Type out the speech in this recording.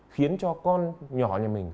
khiến cho con nhỏ nhà mình